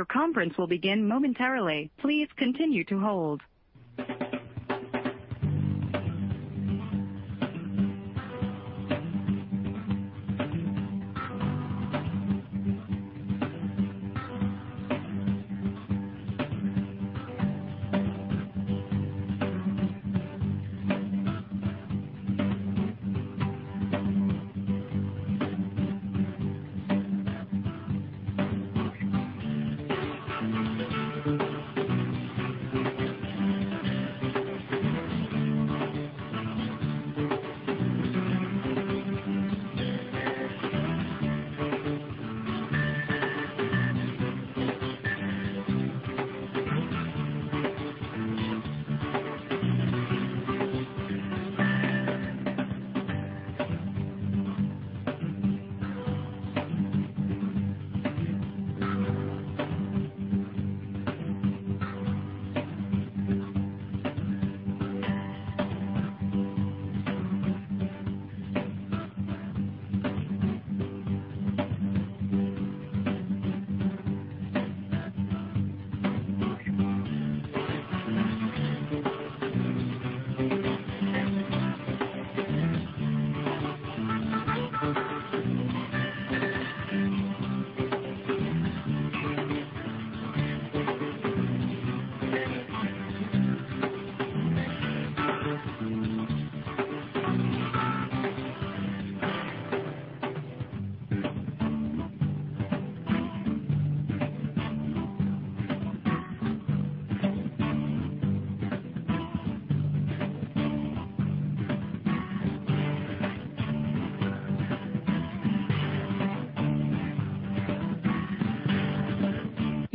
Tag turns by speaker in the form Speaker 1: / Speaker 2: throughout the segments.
Speaker 1: Your conference will begin momentarily. Please continue to hold.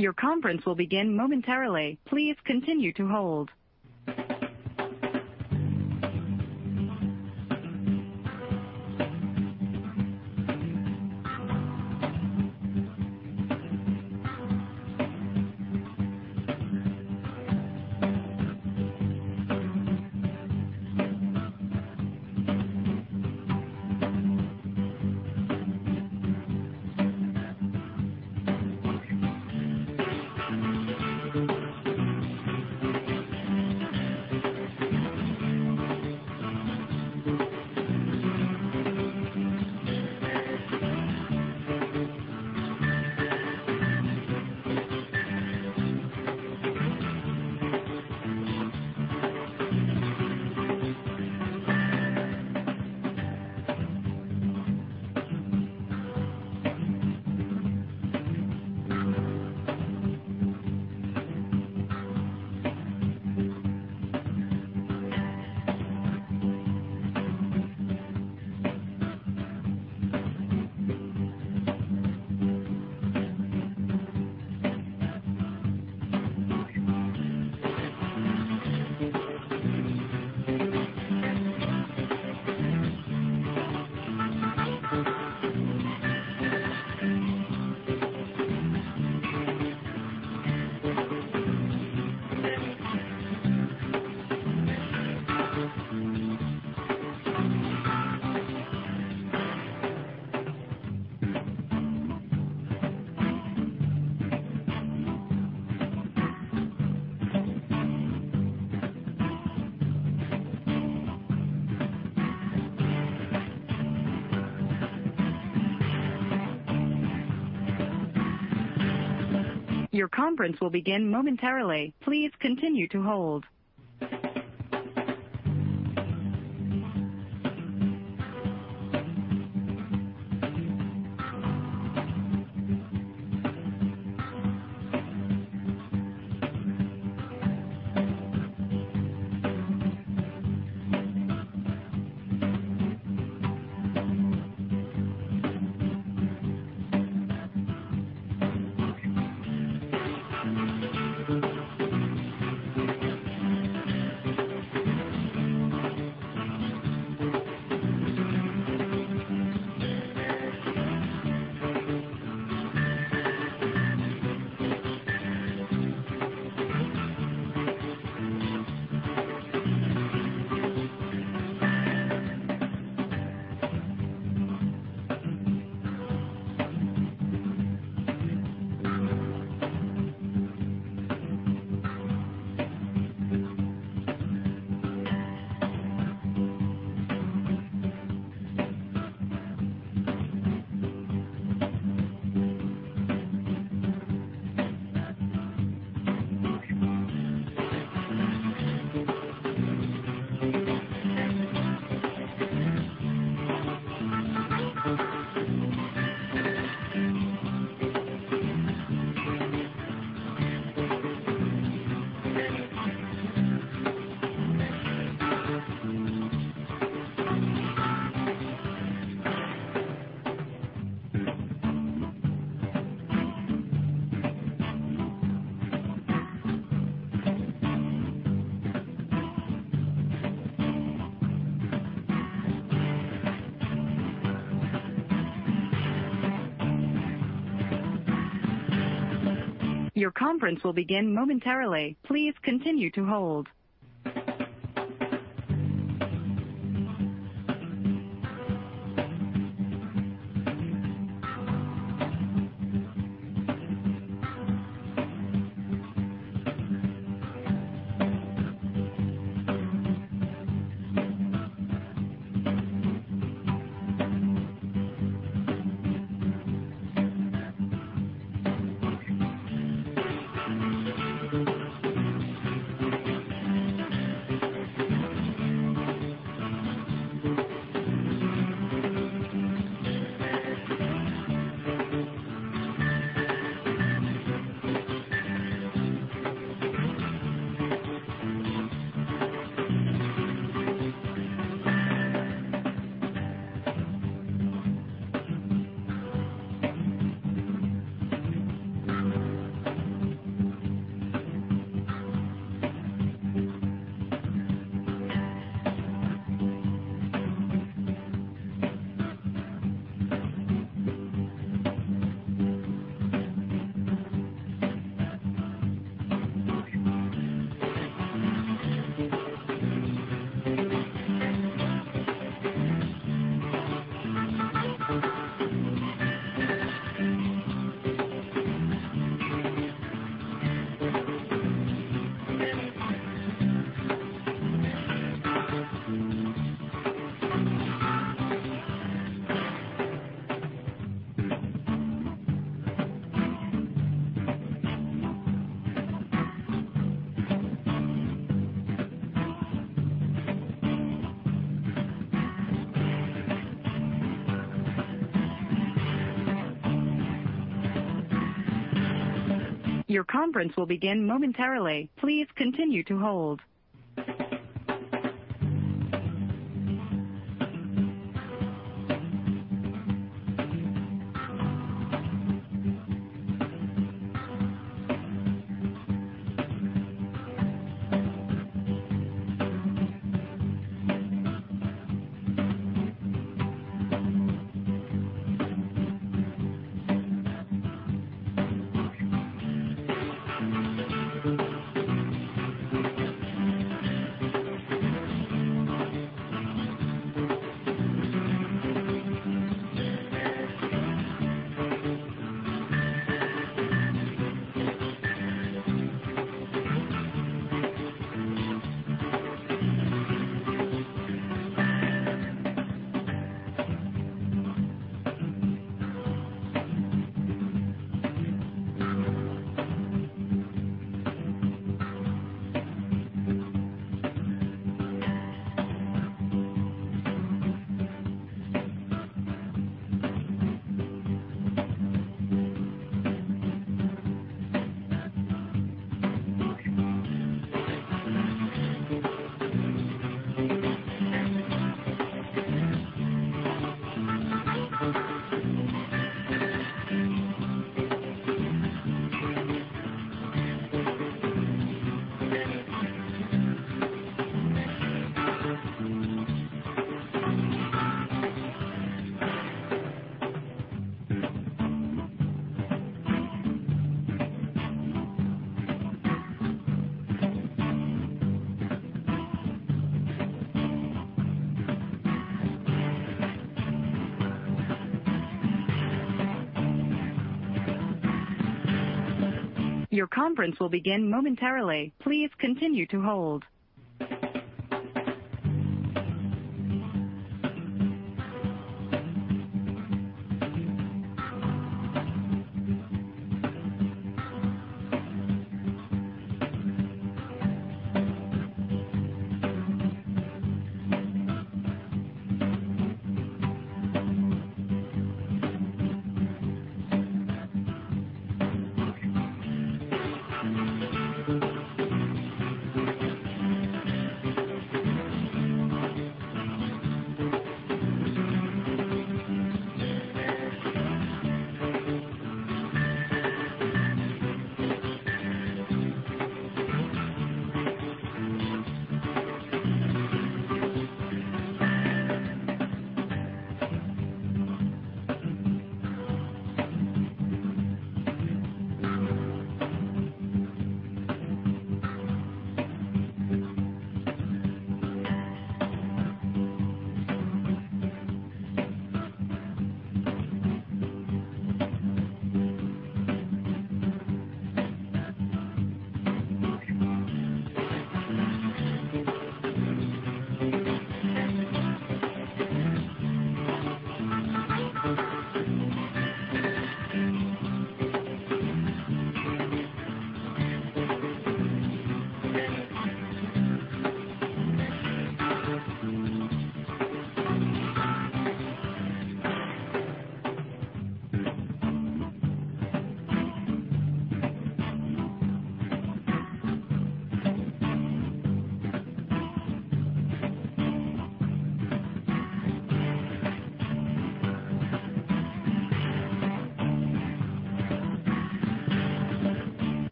Speaker 1: Your conference will begin momentarily. Please continue to hold. Your conference will begin momentarily. Please continue to hold. Your conference will begin momentarily. Please continue to hold. Your conference will begin momentarily. Please continue to hold. Your conference will begin momentarily. Please continue to hold.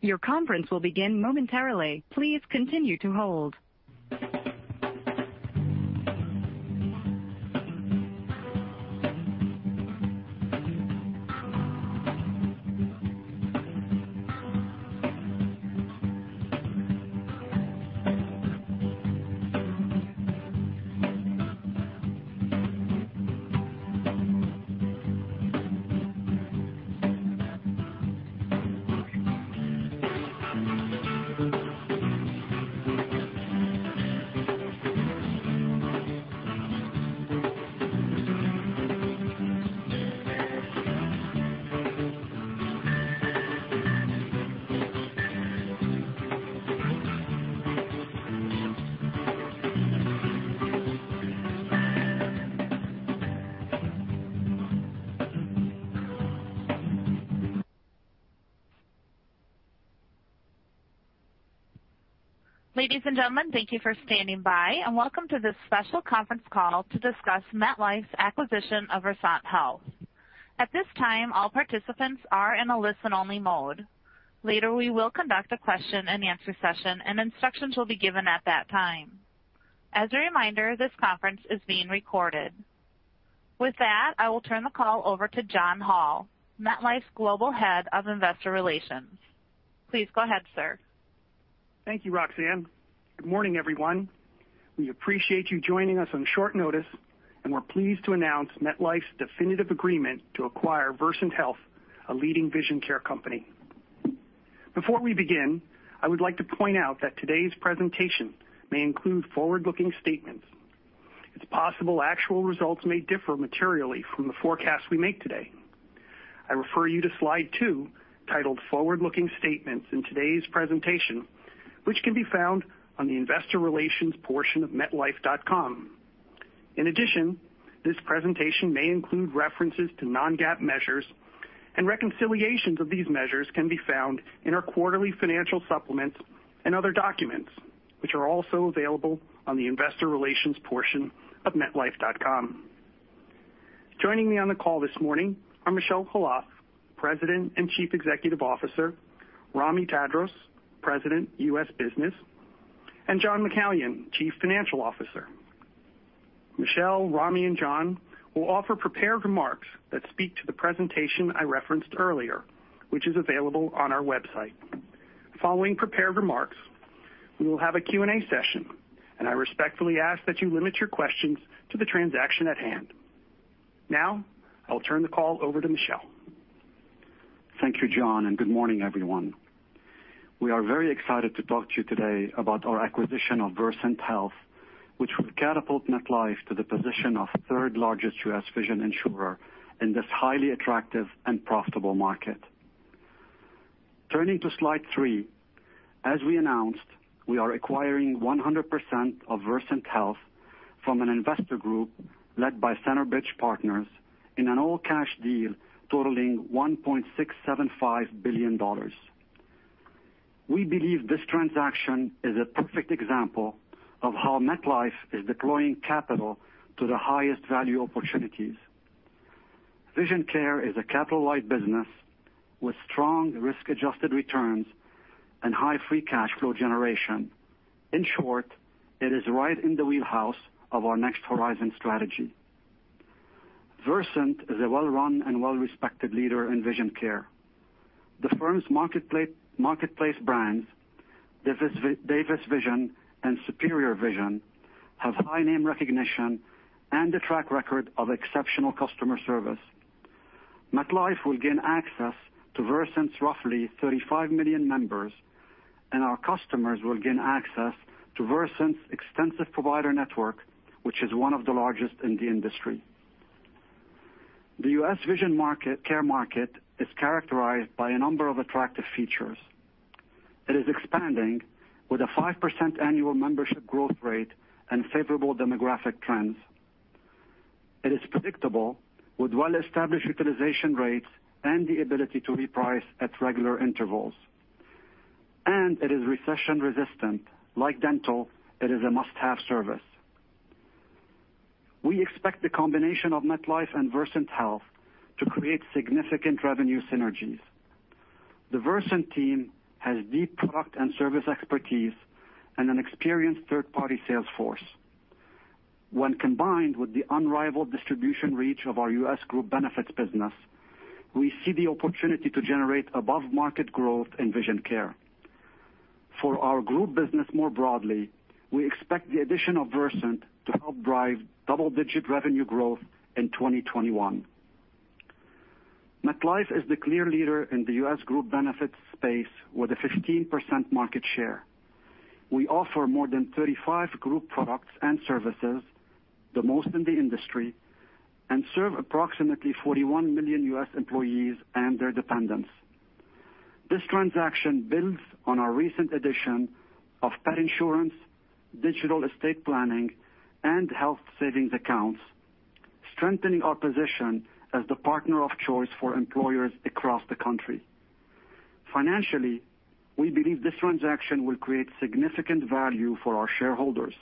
Speaker 1: Your conference will begin momentarily. Please continue to hold. Ladies and gentlemen, thank you for standing by, and welcome to this special conference call to discuss MetLife's acquisition of Versant Health. At this time, all participants are in a listen-only mode. Later, we will conduct a question-and-answer session, and instructions will be given at that time. As a reminder, this conference is being recorded. With that, I will turn the call over to John Hall, MetLife's Global Head of Investor Relations. Please go ahead, sir.
Speaker 2: Thank you, Roxanne. Good morning, everyone. We appreciate you joining us on short notice, and we're pleased to announce MetLife's definitive agreement to acquire Versant Health, a leading vision care company. Before we begin, I would like to point out that today's presentation may include forward-looking statements. It's possible actual results may differ materially from the forecast we make today. I refer you to slide two, titled "Forward-looking Statements" in today's presentation, which can be found on the investor relations portion of MetLife.com. In addition, this presentation may include references to non-GAAP measures, and reconciliations of these measures can be found in our quarterly financial supplements and other documents, which are also available on the investor relations portion of MetLife.com. Joining me on the call this morning are Michel Khalaf, President and Chief Executive Officer; Ramy Tadros, President, U.S. Business; and John McCallion, Chief Financial Officer. Michel, Ramy, and John will offer prepared remarks that speak to the presentation I referenced earlier, which is available on our website. Following prepared remarks, we will have a Q&A session, and I respectfully ask that you limit your questions to the transaction at hand. Now, I'll turn the call over to Michel.
Speaker 3: Thank you, John, and good morning, everyone. We are very excited to talk to you today about our acquisition of Versant Health, which will catapult MetLife to the position of third-largest U.S. vision insurer in this highly attractive and profitable market. Turning to slide three, as we announced, we are acquiring 100% of Versant Health from an investor group led by Centerbridge Partners in an all-cash deal totaling $1.675 billion. We believe this transaction is a perfect example of how MetLife is deploying capital to the highest value opportunities. Vision care is a capital-light business with strong risk-adjusted returns and high free cash flow generation. In short, it is right in the wheelhouse of our next horizon strategy. Versant is a well-run and well-respected leader in vision care. The firm's marketplace brands, Davis Vision and Superior Vision, have high name recognition and a track record of exceptional customer service. MetLife will gain access to Versant's roughly 35 million members, and our customers will gain access to Versant's extensive provider network, which is one of the largest in the industry. The U.S. vision care market is characterized by a number of attractive features. It is expanding with a 5% annual membership growth rate and favorable demographic trends. It is predictable with well-established utilization rates and the ability to reprice at regular intervals. It is recession resistant. Like dental, it is a must-have service. We expect the combination of MetLife and Versant Health to create significant revenue synergies. The Versant team has deep product and service expertise and an experienced third-party sales force. When combined with the unrivaled distribution reach of our U.S. group benefits business, we see the opportunity to generate above-market growth in vision care. For our group business more broadly, we expect the addition of Versant to help drive double-digit revenue growth in 2021. MetLife is the clear leader in the U.S. group benefits space with a 15% market share. We offer more than 35 group products and services, the most in the industry, and serve approximately 41 million U.S. employees and their dependents. This transaction builds on our recent addition of Pet Insurance, digital estate planning, and health savings accounts, strengthening our position as the partner of choice for employers across the country. Financially, we believe this transaction will create significant value for our shareholders.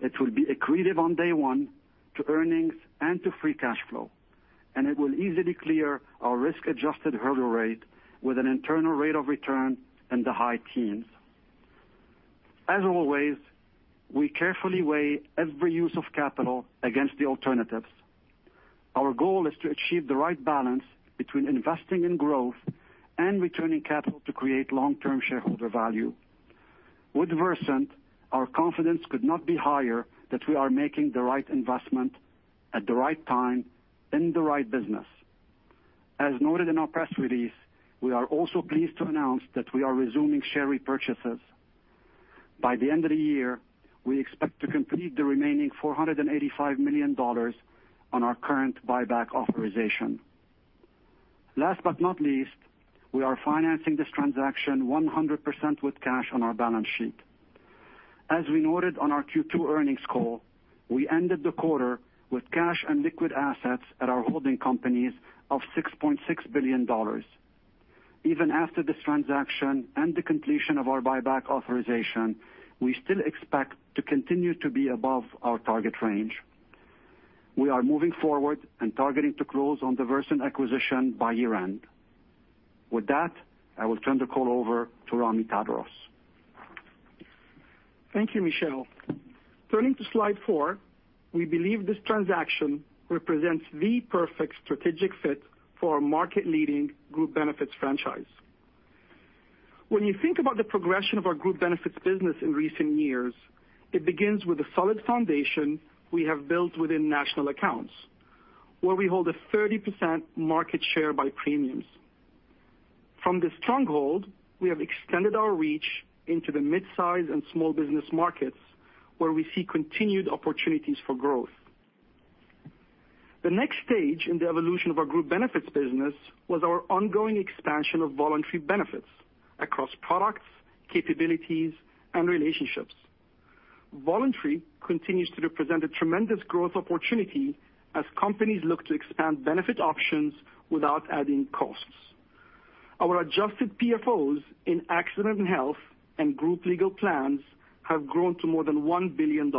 Speaker 3: It will be accretive on day one to earnings and to free cash flow, and it will easily clear our risk-adjusted hurdle rate with an internal rate of return in the high teens. As always, we carefully weigh every use of capital against the alternatives. Our goal is to achieve the right balance between investing in growth and returning capital to create long-term shareholder value. With Versant, our confidence could not be higher that we are making the right investment at the right time in the right business. As noted in our press release, we are also pleased to announce that we are resuming share repurchases. By the end of the year, we expect to complete the remaining $485 million on our current buyback authorization. Last but not least, we are financing this transaction 100% with cash on our balance sheet. As we noted on our Q2 earnings call, we ended the quarter with cash and liquid assets at our holding companies of $6.6 billion. Even after this transaction and the completion of our buyback authorization, we still expect to continue to be above our target range. We are moving forward and targeting to close on the Versant acquisition by year-end. With that, I will turn the call over to Ramy Tadros.
Speaker 4: Thank you, Michel. Turning to slide four, we believe this transaction represents the perfect strategic fit for our market-leading group benefits franchise. When you think about the progression of our group benefits business in recent years, it begins with a solid foundation we have built within national accounts, where we hold a 30% market share by premiums. From this stronghold, we have extended our reach into the mid-size and small business markets, where we see continued opportunities for growth. The next stage in the evolution of our group benefits business was our ongoing expansion of voluntary benefits across products, capabilities, and relationships. Voluntary continues to represent a tremendous growth opportunity as companies look to expand benefit options without adding costs. Our adjusted PFOs in accident and health and group legal plans have grown to more than $1 billion.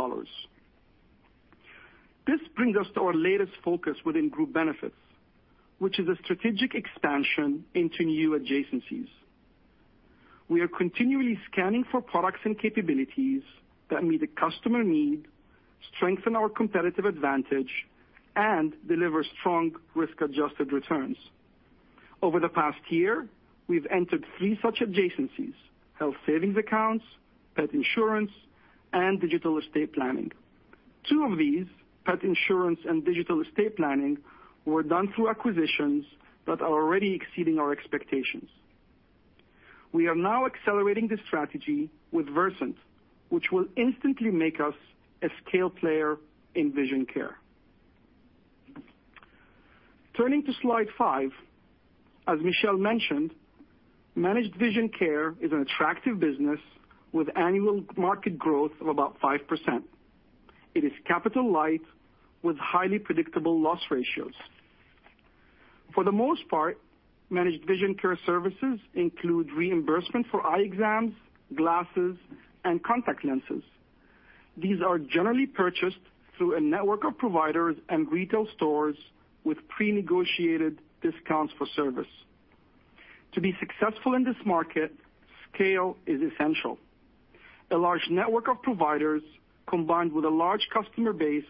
Speaker 4: This brings us to our latest focus within group benefits, which is a strategic expansion into new adjacencies. We are continually scanning for products and capabilities that meet a customer need, strengthen our competitive advantage, and deliver strong risk-adjusted returns. Over the past year, we've entered three such adjacencies: health savings accounts, Pet Insurance, and digital estate planning. Two of these, Pet Insurance and digital estate planning, were done through acquisitions that are already exceeding our expectations. We are now accelerating this strategy with Versant, which will instantly make us a scale player in vision care. Turning to slide five, as Michel mentioned, managed vision care is an attractive business with annual market growth of about 5%. It is capital-light with highly predictable loss ratios. For the most part, managed vision care services include reimbursement for eye exams, glasses, and contact lenses. These are generally purchased through a network of providers and retail stores with pre-negotiated discounts for service. To be successful in this market, scale is essential. A large network of providers combined with a large customer base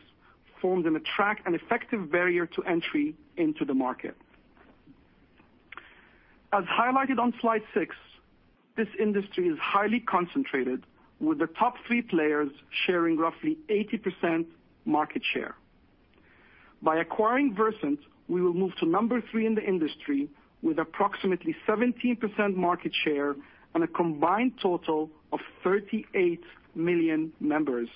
Speaker 4: forms an attractive and effective barrier to entry into the market. As highlighted on slide six, this industry is highly concentrated, with the top three players sharing roughly 80% market share. By acquiring Versant, we will move to number three in the industry with approximately 17% market share and a combined total of 38 million members.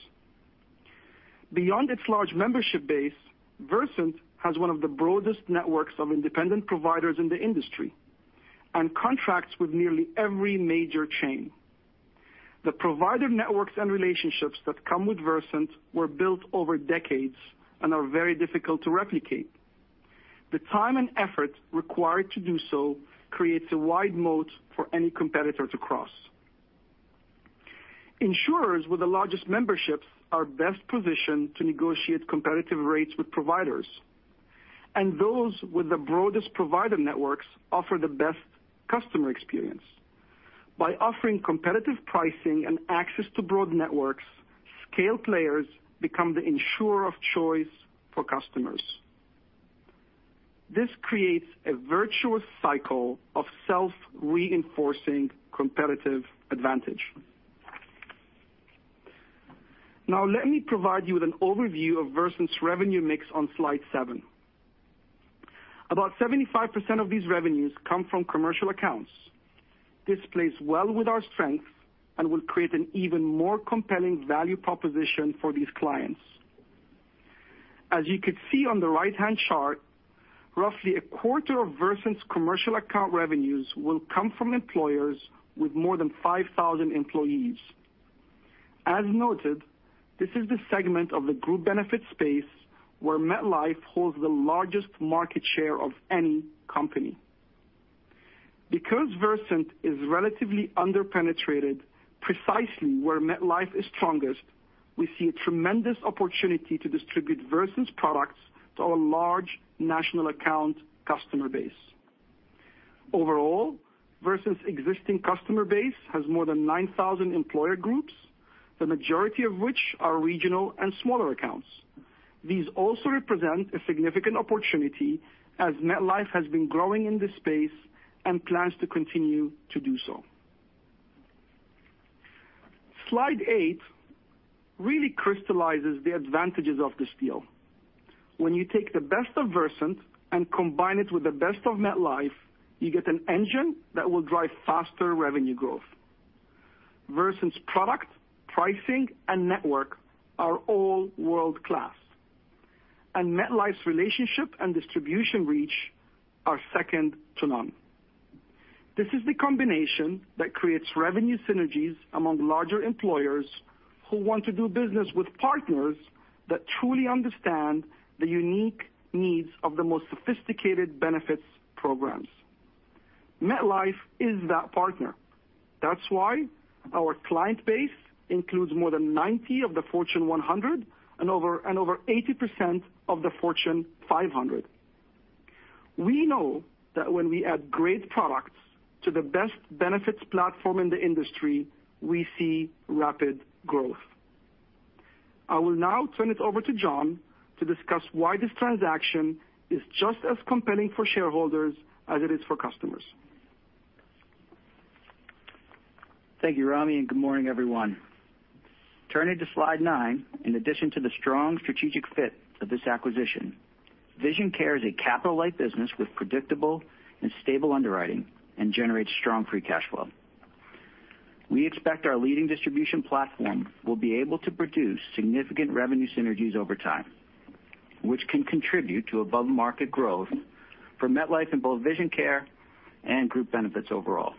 Speaker 4: Beyond its large membership base, Versant has one of the broadest networks of independent providers in the industry and contracts with nearly every major chain. The provider networks and relationships that come with Versant were built over decades and are very difficult to replicate. The time and effort required to do so creates a wide moat for any competitor to cross. Insurers with the largest memberships are best positioned to negotiate competitive rates with providers, and those with the broadest provider networks offer the best customer experience. By offering competitive pricing and access to broad networks, scale players become the insurer of choice for customers. This creates a virtuous cycle of self-reinforcing competitive advantage. Now, let me provide you with an overview of Versant's revenue mix on slide seven. About 75% of these revenues come from commercial accounts. This plays well with our strengths and will create an even more compelling value proposition for these clients. As you could see on the right-hand chart, roughly a quarter of Versant's commercial account revenues will come from employers with more than 5,000 employees. As noted, this is the segment of the group benefit space where MetLife holds the largest market share of any company. Because Versant is relatively under-penetrated, precisely where MetLife is strongest, we see a tremendous opportunity to distribute Versant's products to our large national account customer base. Overall, Versant's existing customer base has more than 9,000 employer groups, the majority of which are regional and smaller accounts. These also represent a significant opportunity as MetLife has been growing in this space and plans to continue to do so. Slide eight really crystallizes the advantages of this deal. When you take the best of Versant and combine it with the best of MetLife, you get an engine that will drive faster revenue growth. Versant's product, pricing, and network are all world-class, and MetLife's relationship and distribution reach are second to none. This is the combination that creates revenue synergies among larger employers who want to do business with partners that truly understand the unique needs of the most sophisticated benefits programs. MetLife is that partner. That's why our client base includes more than 90 of the Fortune 100 and over 80% of the Fortune 500. We know that when we add great products to the best benefits platform in the industry, we see rapid growth. I will now turn it over to John to discuss why this transaction is just as compelling for shareholders as it is for customers.
Speaker 5: Thank you, Ramy, and good morning, everyone. Turning to slide nine, in addition to the strong strategic fit of this acquisition, vision care is a capital-light business with predictable and stable underwriting and generates strong free cash flow. We expect our leading distribution platform will be able to produce significant revenue synergies over time, which can contribute to above-market growth for MetLife in both vision care and group benefits overall.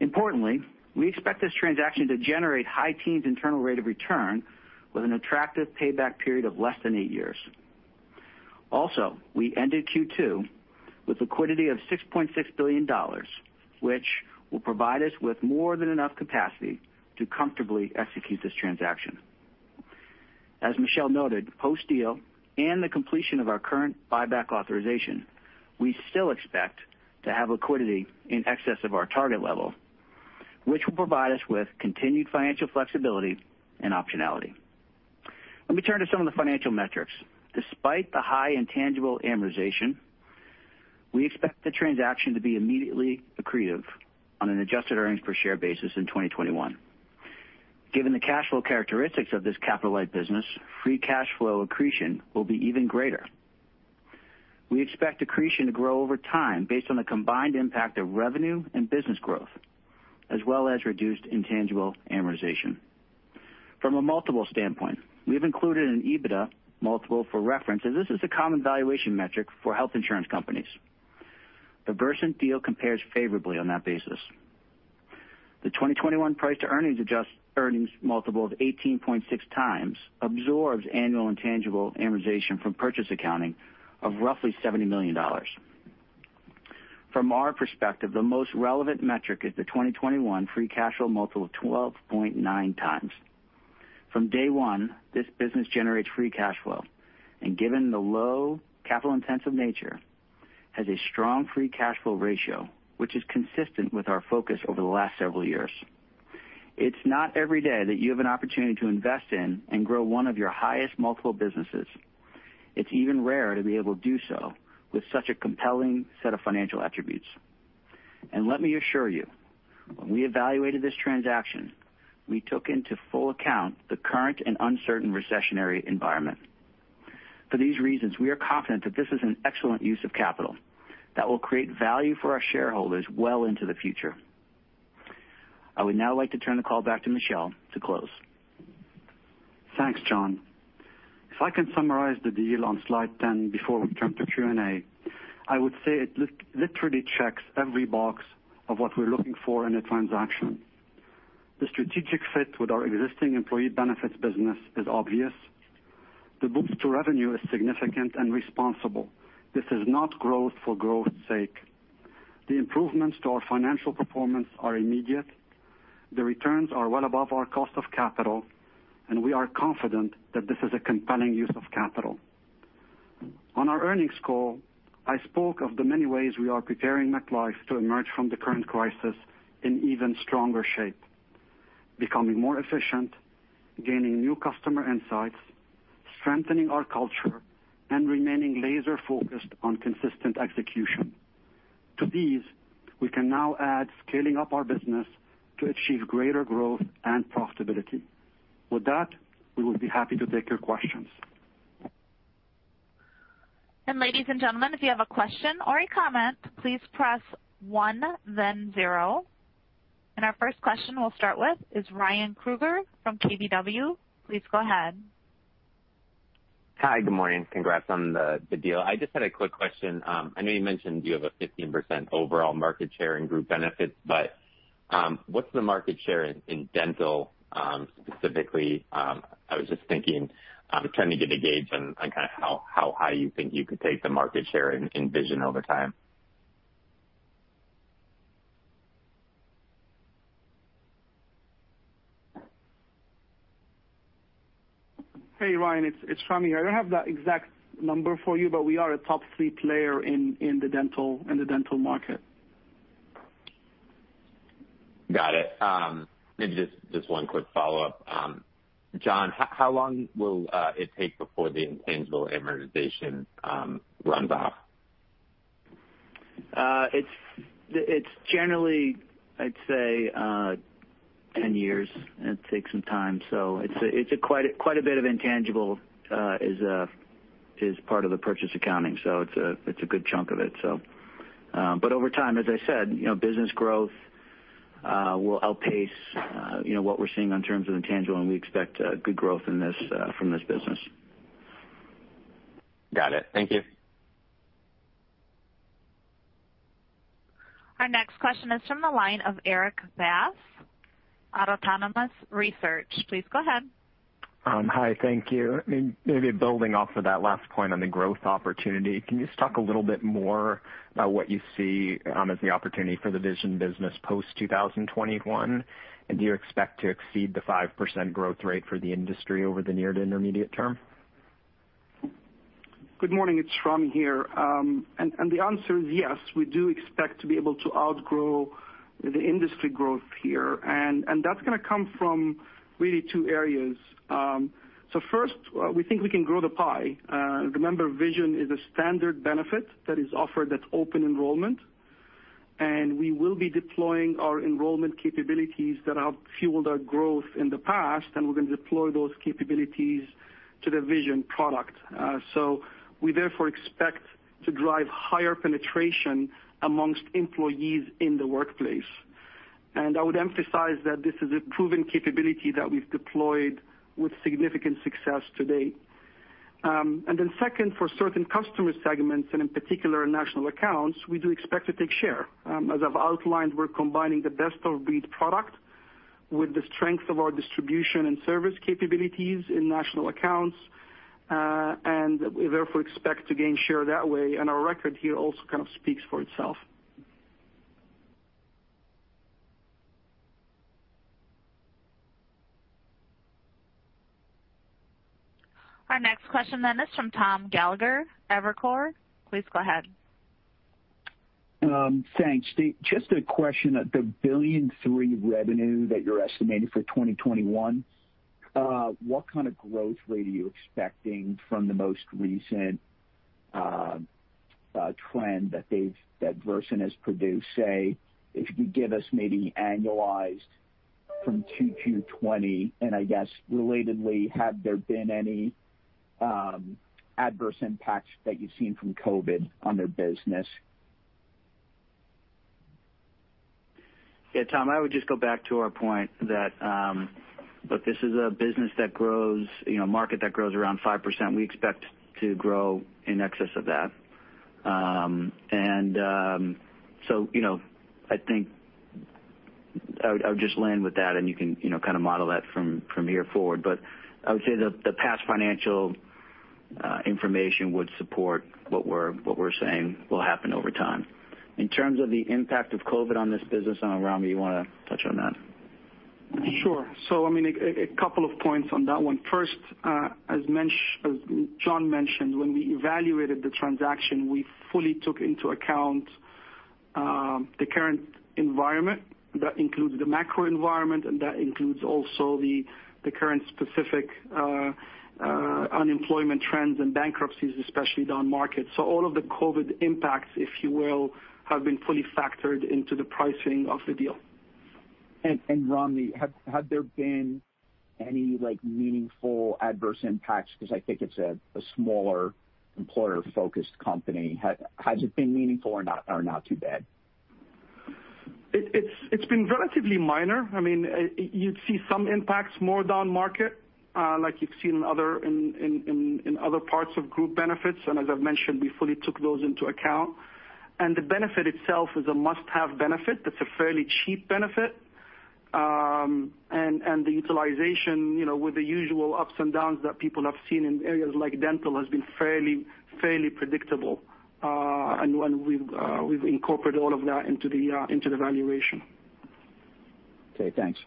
Speaker 5: Importantly, we expect this transaction to generate high teens internal rate of return with an attractive payback period of less than eight years. Also, we ended Q2 with liquidity of $6.6 billion, which will provide us with more than enough capacity to comfortably execute this transaction. As Michel noted, post-deal and the completion of our current buyback authorization, we still expect to have liquidity in excess of our target level, which will provide us with continued financial flexibility and optionality. Let me turn to some of the financial metrics. Despite the high intangible amortization, we expect the transaction to be immediately accretive on an adjusted earnings per share basis in 2021. Given the cash flow characteristics of this capital-like business, free cash flow accretion will be even greater. We expect accretion to grow over time based on the combined impact of revenue and business growth, as well as reduced intangible amortization. From a multiple standpoint, we've included an EBITDA multiple for reference, as this is a common valuation metric for health insurance companies. The Versant deal compares favorably on that basis. The 2021 price-to-earnings multiple of 18.6 times absorbs annual intangible amortization from purchase accounting of roughly $70 million. From our perspective, the most relevant metric is the 2021 free cash flow multiple of 12.9 times. From day one, this business generates free cash flow, and given the low capital-intensive nature, has a strong free cash flow ratio, which is consistent with our focus over the last several years. It is not every day that you have an opportunity to invest in and grow one of your highest multiple businesses. It is even rare to be able to do so with such a compelling set of financial attributes. Let me assure you, when we evaluated this transaction, we took into full account the current and uncertain recessionary environment. For these reasons, we are confident that this is an excellent use of capital that will create value for our shareholders well into the future. I would now like to turn the call back to Michel to close.
Speaker 3: Thanks, John. If I can summarize the deal on slide ten before we turn to Q&A, I would say it literally checks every box of what we're looking for in a transaction. The strategic fit with our existing employee benefits business is obvious. The boost to revenue is significant and responsible. This is not growth for growth's sake. The improvements to our financial performance are immediate. The returns are well above our cost of capital, and we are confident that this is a compelling use of capital. On our earnings call, I spoke of the many ways we are preparing MetLife to emerge from the current crisis in even stronger shape, becoming more efficient, gaining new customer insights, strengthening our culture, and remaining laser-focused on consistent execution. To these, we can now add scaling up our business to achieve greater growth and profitability. With that, we would be happy to take your questions.
Speaker 1: Ladies and gentlemen, if you have a question or a comment, please press one, then zero. Our first question will start with Ryan Krueger from KBW. Please go ahead.
Speaker 6: Hi, good morning. Congrats on the deal. I just had a quick question. I know you mentioned you have a 15% overall market share in group benefits, but what's the market share in Dental specifically? I was just thinking, trying to get a gauge on kind of how high you think you could take the market share in vision over time.
Speaker 4: Hey, Ryan, it's Ramy. I don't have the exact number for you, but we are a top three player in the dental market.
Speaker 6: Got it. Just one quick follow-up. John, how long will it take before the intangible amortization runs off?
Speaker 5: It's generally, I'd say, 10 years. It takes some time. It's quite a bit of intangible as part of the purchase accounting, so it's a good chunk of it. Over time, as I said, business growth will outpace what we're seeing in terms of intangible, and we expect good growth from this business.
Speaker 6: Got it. Thank you.
Speaker 1: Our next question is from the line of Eric Bass of Autonomous Research. Please go ahead.
Speaker 7: Hi, thank you. Maybe building off of that last point on the growth opportunity, can you just talk a little bit more about what you see as the opportunity for the vision business post-2021? Do you expect to exceed the 5% growth rate for the industry over the near to intermediate term?
Speaker 4: Good morning. It's Ramy here. The answer is yes. We do expect to be able to outgrow the industry growth here. That is going to come from really two areas. First, we think we can grow the pie. Remember, vision is a standard benefit that is offered at open enrollment. We will be deploying our enrollment capabilities that have fueled our growth in the past, and we are going to deploy those capabilities to the vision product. We therefore expect to drive higher penetration amongst employees in the workplace. I would emphasize that this is a proven capability that we have deployed with significant success to date. Second, for certain customer segments, and in particular national accounts, we do expect to take share. As I've outlined, we're combining the best-of-breed product with the strength of our distribution and service capabilities in national accounts, and we therefore expect to gain share that way. Our record here also kind of speaks for itself.
Speaker 1: Our next question then is from Tom Gallagher, Evercore. Please go ahead.
Speaker 8: Thanks. Just a question at the billion 3 revenue that you're estimating for 2021, what kind of growth rate are you expecting from the most recent trend that Versant has produced? Say if you could give us maybe annualized from Q2 2020, and I guess relatedly, have there been any adverse impacts that you've seen from COVID on their business?
Speaker 5: Yeah, Tom, I would just go back to our point that this is a business that grows, a market that grows around 5%. We expect to grow in excess of that. I think I would just land with that, and you can kind of model that from here forward. I would say the past financial information would support what we're saying will happen over time. In terms of the impact of COVID on this business, Ramy, you want to touch on that?
Speaker 4: Sure. I mean, a couple of points on that one. First, as John mentioned, when we evaluated the transaction, we fully took into account the current environment that includes the macro environment, and that includes also the current specific unemployment trends and bankruptcies, especially down markets. All of the COVID impacts, if you will, have been fully factored into the pricing of the deal.
Speaker 8: Ramy, had there been any meaningful adverse impacts? Because I think it's a smaller employer-focused company. Has it been meaningful or not too bad?
Speaker 4: It's been relatively minor. I mean, you'd see some impacts more down market, like you've seen in other parts of group benefits. As I've mentioned, we fully took those into account. The benefit itself is a must-have benefit. It's a fairly cheap benefit. The utilization, with the usual ups and downs that people have seen in areas like dental, has been fairly predictable. We've incorporated all of that into the valuation.
Speaker 8: Okay, thanks.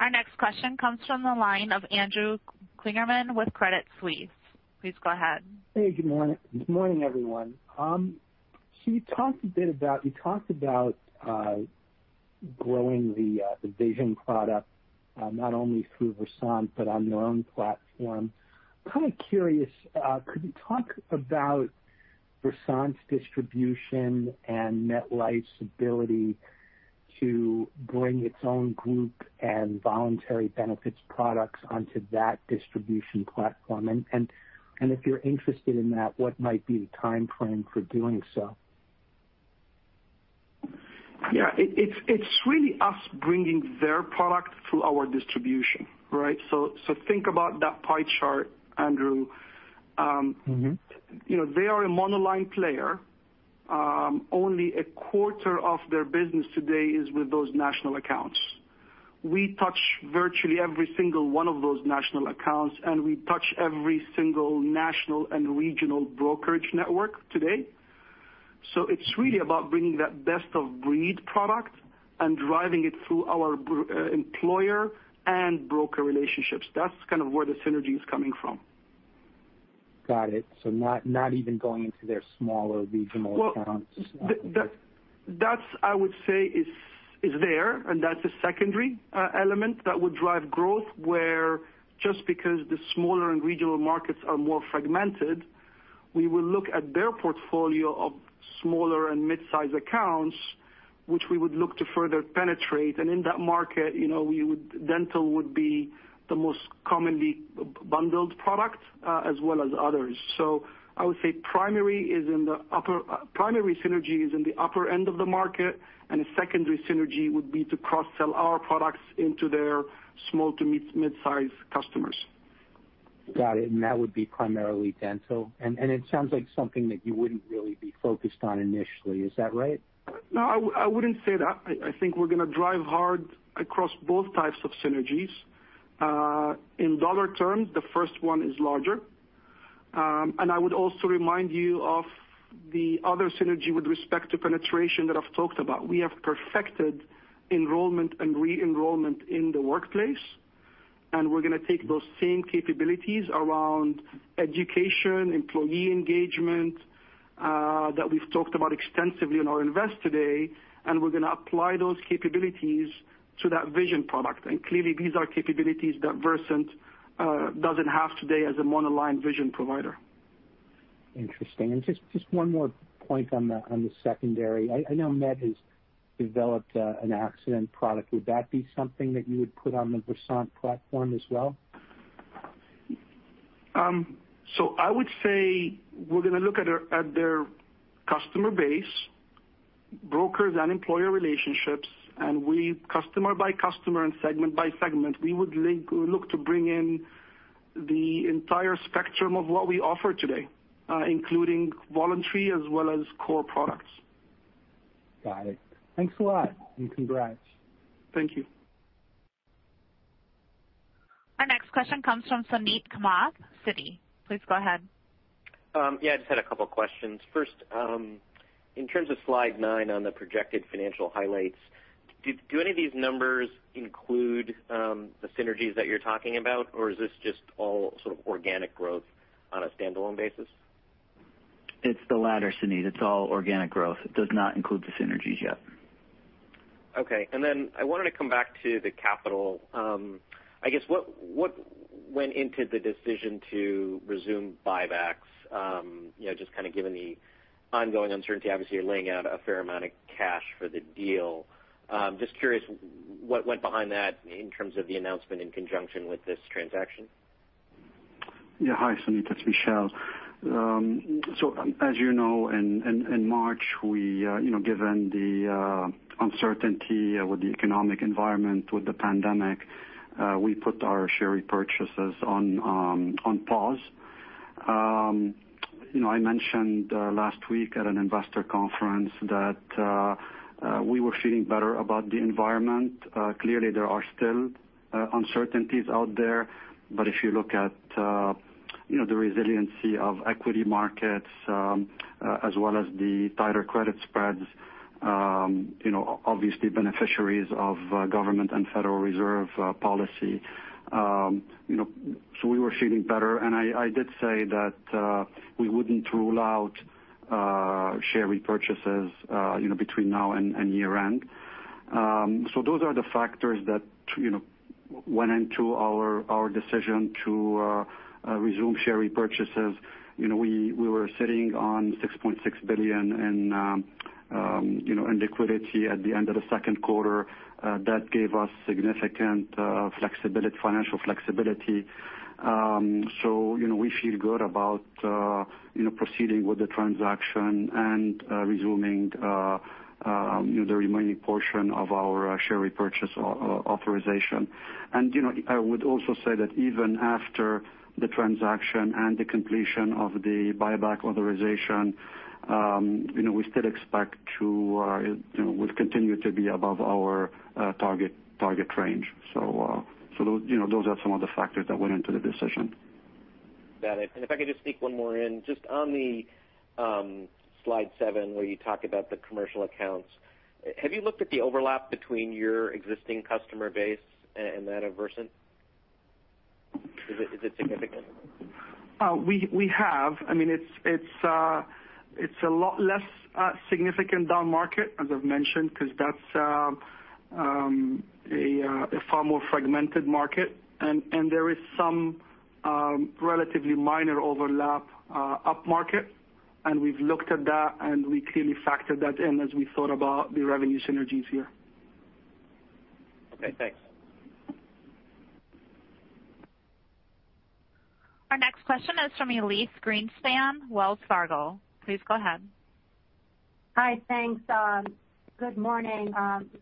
Speaker 1: Our next question comes from the line of Andrew Kligerman with Credit Suisse. Please go ahead.
Speaker 9: Hey, good morning. Good morning, everyone. You talked a bit about growing the vision product not only through Versant, but on your own platform. I'm kind of curious, could you talk about Versant's distribution and MetLife's ability to bring its own group and voluntary benefits products onto that distribution platform? If you're interested in that, what might be the timeframe for doing so?
Speaker 4: Yeah, it's really us bringing their product through our distribution, right? Think about that pie chart, Andrew. They are a monoline player. Only a quarter of their business today is with those national accounts. We touch virtually every single one of those national accounts, and we touch every single national and regional brokerage network today. It's really about bringing that best-of-breed product and driving it through our employer and broker relationships. That's kind of where the synergy is coming from.
Speaker 9: Got it. Not even going into their smaller regional accounts.
Speaker 4: That's, I would say, is there, and that's a secondary element that would drive growth, where just because the smaller and regional markets are more fragmented, we will look at their portfolio of smaller and mid-size accounts, which we would look to further penetrate. In that market, Dental would be the most commonly bundled product as well as others. I would say primary is in the upper primary synergy is in the upper end of the market, and a secondary synergy would be to cross-sell our products into their small to mid-size customers.
Speaker 9: Got it. That would be primarily Dental. It sounds like something that you would not really be focused on initially. Is that right?
Speaker 4: No, I wouldn't say that. I think we're going to drive hard across both types of synergies. In dollar terms, the first one is larger. I would also remind you of the other synergy with respect to penetration that I've talked about. We have perfected enrollment and re-enrollment in the workplace, and we're going to take those same capabilities around education, employee engagement that we've talked about extensively in our invest today, and we're going to apply those capabilities to that vision product. Clearly, these are capabilities that Versant doesn't have today as a monoline vision provider.
Speaker 9: Interesting. Just one more point on the secondary. I know Met has developed an accident product. Would that be something that you would put on the Versant platform as well?
Speaker 4: I would say we're going to look at their customer base, brokers, and employer relationships. Customer by customer and segment by segment, we would look to bring in the entire spectrum of what we offer today, including voluntary as well as core products.
Speaker 9: Got it. Thanks a lot, and congrats.
Speaker 4: Thank you.
Speaker 1: Our next question comes from Suneet Kamath, Citi. Please go ahead.
Speaker 10: Yeah, I just had a couple of questions. First, in terms of slide nine on the projected financial highlights, do any of these numbers include the synergies that you're talking about, or is this just all sort of organic growth on a standalone basis?
Speaker 3: It's the latter, Suneet. It's all organic growth. It does not include the synergies yet.
Speaker 10: Okay. I wanted to come back to the capital. I guess what went into the decision to resume buybacks, just kind of given the ongoing uncertainty? Obviously, you're laying out a fair amount of cash for the deal. Just curious, what went behind that in terms of the announcement in conjunction with this transaction?
Speaker 4: Yeah. Hi, Suneet. That's Michel. As you know, in March, given the uncertainty with the economic environment with the pandemic, we put our share repurchases on pause. I mentioned last week at an investor conference that we were feeling better about the environment. Clearly, there are still uncertainties out there. If you look at the resiliency of equity markets as well as the tighter credit spreads, obviously beneficiaries of government and Federal Reserve policy, we were feeling better. I did say that we would not rule out share repurchases between now and year-end. Those are the factors that went into our decision to resume share repurchases. We were sitting on $6.6 billion in liquidity at the end of the second quarter. That gave us significant financial flexibility. We feel good about proceeding with the transaction and resuming the remaining portion of our share repurchase authorization. I would also say that even after the transaction and the completion of the buyback authorization, we still expect to continue to be above our target range. Those are some of the factors that went into the decision.
Speaker 10: Got it. If I could just sneak one more in, just on slide seven where you talk about the commercial accounts, have you looked at the overlap between your existing customer base and that of Versant? Is it significant?
Speaker 4: We have. I mean, it's a lot less significant down market, as I've mentioned, because that's a far more fragmented market. There is some relatively minor overlap up market. We've looked at that, and we clearly factored that in as we thought about the revenue synergies here.
Speaker 10: Okay, thanks.
Speaker 1: Our next question is from Elyse Greenspan, Wells Fargo. Please go ahead.
Speaker 11: Hi, thanks. Good morning.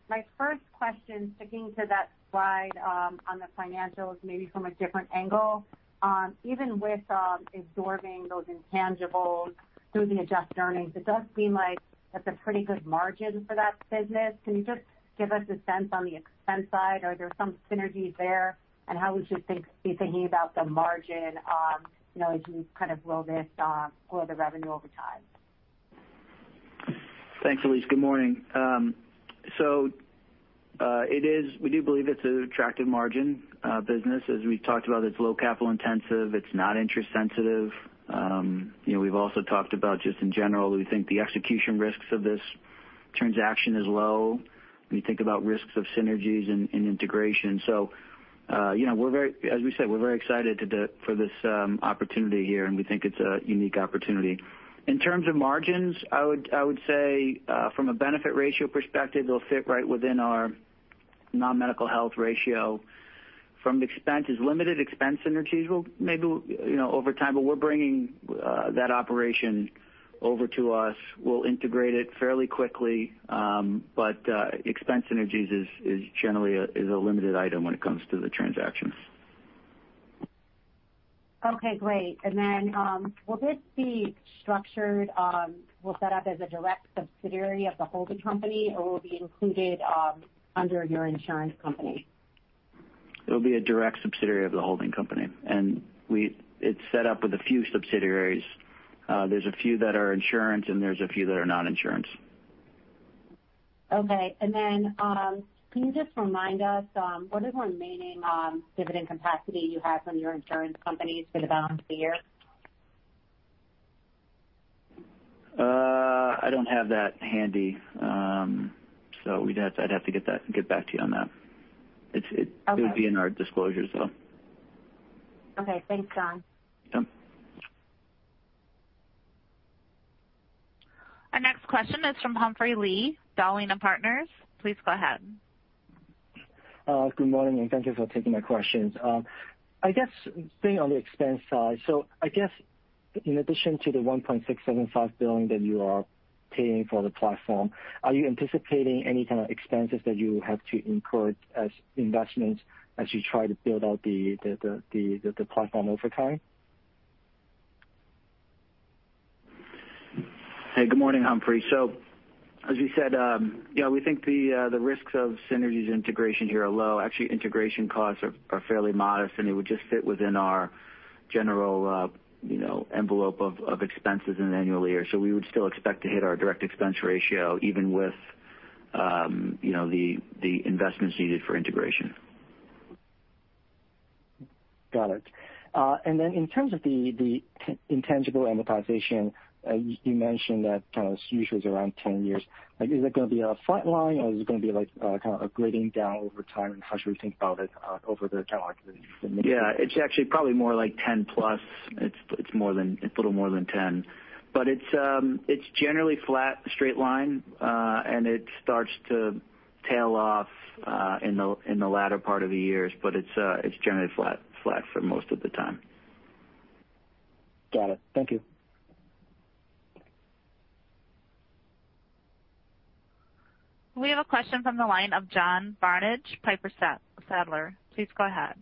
Speaker 11: My first question sticking to that slide on the financials maybe from a different angle. Even with absorbing those intangibles through the adjusted earnings, it does seem like that's a pretty good margin for that business. Can you just give us a sense on the expense side? Are there some synergies there? How would you be thinking about the margin as you kind of grow the revenue over time?
Speaker 5: Thanks, Elyse. Good morning. We do believe it's an attractive margin business. As we've talked about, it's low capital intensive. It's not interest sensitive. We've also talked about just in general, we think the execution risks of this transaction are low. We think about risks of synergies and integration. As we said, we're very excited for this opportunity here, and we think it's a unique opportunity. In terms of margins, I would say from a benefit ratio perspective, it'll fit right within our non-medical health ratio. From the expenses, limited expense synergies will maybe over time, but we're bringing that operation over to us. We'll integrate it fairly quickly, but expense synergies is generally a limited item when it comes to the transaction.
Speaker 11: Okay, great. Will this be structured? Will it be set up as a direct subsidiary of the holding company, or will it be included under your insurance company?
Speaker 5: It'll be a direct subsidiary of the holding company. It is set up with a few subsidiaries. There are a few that are insurance, and there are a few that are non-insurance.
Speaker 11: Okay. Can you just remind us what is the remaining dividend capacity you have from your insurance companies for the balance of the year?
Speaker 5: I don't have that handy, so I'd have to get back to you on that. It would be in our disclosures, though.
Speaker 11: Okay, thanks, John.
Speaker 1: Our next question is from Humphrey Lee, Dollina Partner. Please go ahead.
Speaker 12: Good morning, and thank you for taking my questions. I guess staying on the expense side, in addition to the $1.675 billion that you are paying for the platform, are you anticipating any kind of expenses that you have to incur as investments as you try to build out the platform over time?
Speaker 5: Hey, good morning, Humphrey. As we said, yeah, we think the risks of synergies integration here are low. Actually, integration costs are fairly modest, and it would just fit within our general envelope of expenses in annual year. We would still expect to hit our direct expense ratio even with the investments needed for integration.
Speaker 13: Got it. In terms of the intangible amortization, you mentioned that kind of usually is around 10 years. Is it going to be a flat line, or is it going to be kind of a grading down over time? How should we think about it over the account?
Speaker 5: Yeah, it's actually probably more like 10 plus. It's a little more than 10. It's generally flat, straight line, and it starts to tail off in the latter part of the years, but it's generally flat for most of the time.
Speaker 13: Got it. Thank you.
Speaker 1: We have a question from the line of John Barnidge, Piper Sandler. Please go ahead.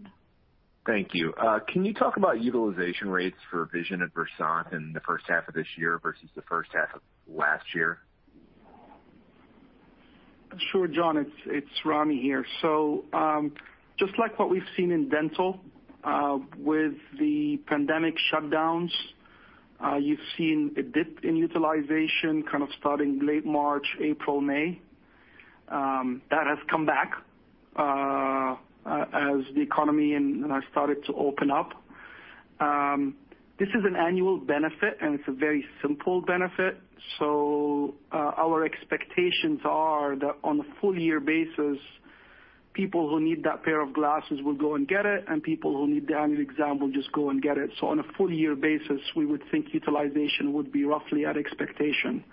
Speaker 14: Thank you. Can you talk about utilization rates for vision at Versant in the first half of this year versus the first half of last year?
Speaker 4: Sure, John. It's Ronnie here. Just like what we've seen in Dental with the pandemic shutdowns, you've seen a dip in utilization kind of starting late March, April, May. That has come back as the economy started to open up. This is an annual benefit, and it's a very simple benefit. Our expectations are that on a full-year basis, people who need that pair of glasses will go and get it, and people who need the annual exam will just go and get it. On a full-year basis, we would think utilization would be roughly at expectation,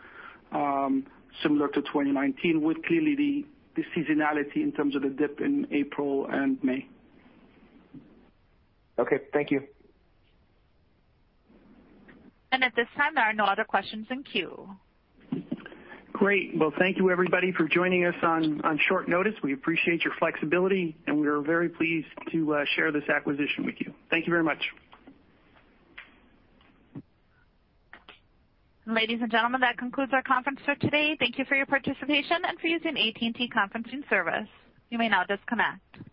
Speaker 4: similar to 2019, with clearly the seasonality in terms of the dip in April and May.
Speaker 14: Okay, thank you.
Speaker 1: At this time, there are no other questions in queue.
Speaker 4: Great. Thank you, everybody, for joining us on short notice. We appreciate your flexibility, and we are very pleased to share this acquisition with you. Thank you very much.
Speaker 1: Ladies and gentlemen, that concludes our conference for today. Thank you for your participation and for using AT&T conferencing service. You may now disconnect.